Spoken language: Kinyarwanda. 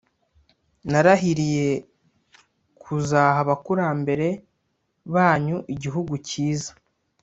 narahiriye kuzaha abakurambere banyuigihugi cyiza